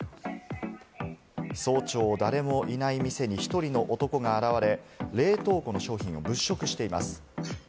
早朝、誰もいない店に１人の男が現れ、冷凍庫の商品を物色しています。